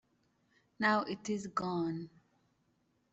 Now it is gone.